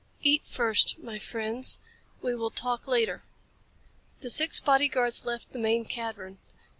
"Eat first, my friends. We will talk later." The six body guards left the main cavern.